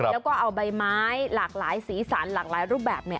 แล้วก็เอาใบไม้หลากหลายสีสันหลากหลายรูปแบบ